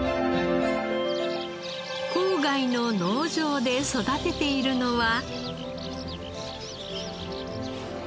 郊外の農場で育てているのは。